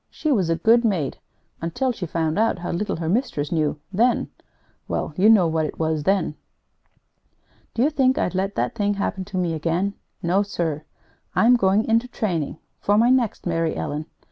She was a good maid until she found out how little her mistress knew; then well, you know what it was then. Do you think I'd let that thing happen to me again? No, sir! I'm going into training for my next Mary Ellen!"